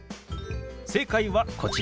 正解はこちら。